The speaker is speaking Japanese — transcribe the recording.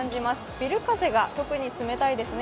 ビル風が特に冷たいですね。